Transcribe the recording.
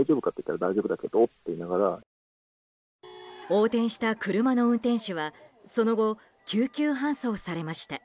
横転した車の運転手はその後、救急搬送されました。